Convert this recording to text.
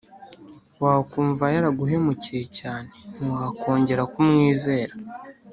Wakumva yaraguhemukiye cyane ntiwakongera kumwizera